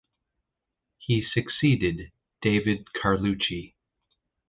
He succeeded David Carlucci.